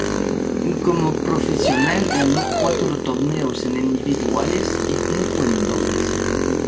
Como profesional ganó cuatro torneos en individuales y cinco en dobles.